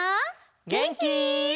げんき？